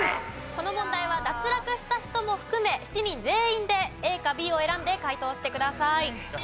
この問題は脱落した人も含め７人全員でＡかＢを選んで解答してください。